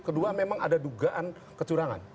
kedua memang ada dugaan kecurangan